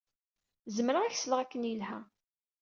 Zemreɣ ad ak-sleɣ akken yelha.